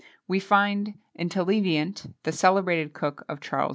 We find in Taillevant, the celebrated cook of Charles V.